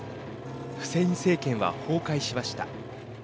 フセイン政権は崩壊しました。